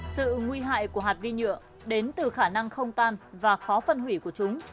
sự nguy hại của hạt vi nhựa đến từ khả năng không tan và khó phân hủy của chúng